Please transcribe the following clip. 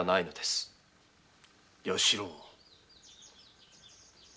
弥四郎。